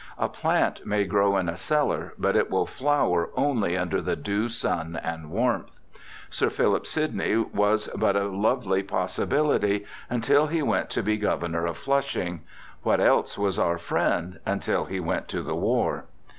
A plant may grow in a cellar; but it will flower only under the due sun and warmth. Sir Philip Sidney was but a lovely possibility, until he went to be Governor of Flushing. What else was our friend, until he went to the war?